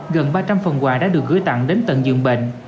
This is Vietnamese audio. gần ba trăm linh phần quà đã được gửi tặng đến tận giường bệnh